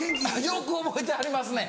よく覚えてはりますね！